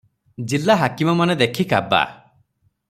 ଜିଲ୍ଲା ହାକିମମାନେ ଦେଖି କାବା ।